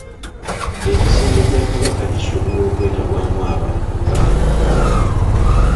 Emisinde gya Kabaka gisuubirwa okwetabwamu abantu nga emitwalo abiri.